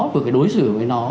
và cái đối xử với nó